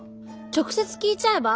直接聞いちゃえば？